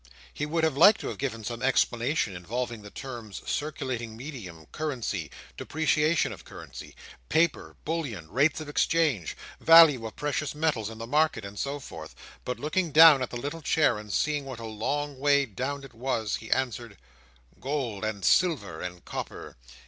He would have liked to give him some explanation involving the terms circulating medium, currency, depreciation of currency, paper, bullion, rates of exchange, value of precious metals in the market, and so forth; but looking down at the little chair, and seeing what a long way down it was, he answered: "Gold, and silver, and copper.